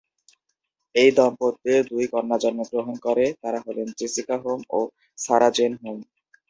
এই দম্পতির দুই কন্যা জন্মগ্রহণ করে, তারা হলেন জেসিকা হোম ও সারা-জেন হোম।